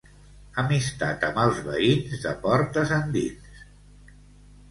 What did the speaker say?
Amistat amb els veïns, de portes endins.